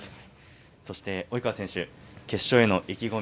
そして、及川選手決勝への意気込み